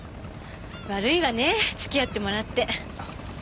悪いわね付き合ってもらって。